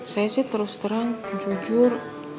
saya sih terus terang jujur